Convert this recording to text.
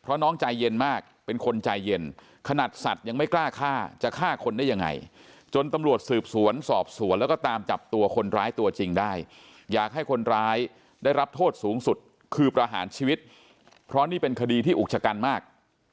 เพราะน้องใจเย็นมากเป็นคนใจเย็นขนาดสัตว์ยังไม่กล้าฆ่าจะฆ่าคนได้ยังไงจนตำรวจสืบสวนสอบสวนแล้วก็ตามจับตัวคนร้ายตัวจริงได้อยากให้คนร้ายได้รับโทษสูงสุดคือประหารชีวิตเพราะนี่เป็นคดีที่อุกชะกันมาก